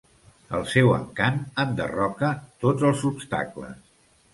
El seu encant enderroca tots els obstacles.